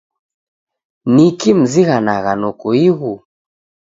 Niki mzighanagha noko ighu?